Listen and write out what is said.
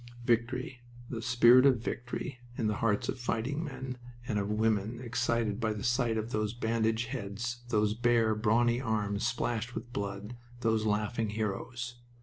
Victory! The spirit of victory in the hearts of fighting men, and of women excited by the sight of those bandaged heads, those bare, brawny arms splashed with blood, those laughing heroes.